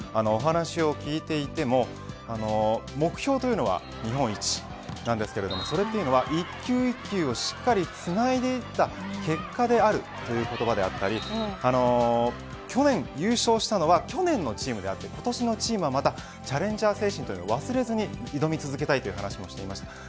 お話を聞いてても目標というのは日本一なんですがというのは一球一球をしっかりつないでいった結果であるという言葉であったり去年優勝したのは去年のチームであって今年のチームはまたチャレンジャー精神を忘れずに挑み続けたいという話もしていました。